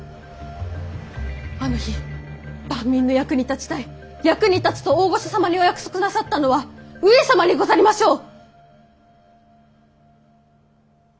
あの日万民の役に立ちたい役に立つと大御所様にお約束なさったのは上様にござりましょう！